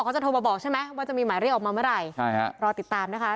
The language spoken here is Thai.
ครับอะล่ะครับ